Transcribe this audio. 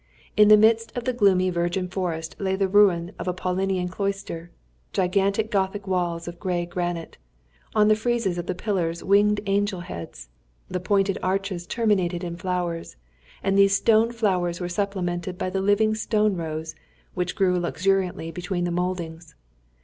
In the midst of the gloomy virgin forest lay the ruin of a Paulinian cloister gigantic Gothic walls of grey granite; on the friezes of the pillars winged angel heads; the pointed arches terminated in flowers, and these stone flowers were supplemented by the living stone rose, which grew luxuriantly between the mouldings.